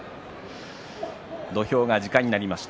土俵が時間いっぱいになりました。